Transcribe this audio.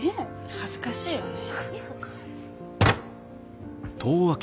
恥ずかしいよねえ。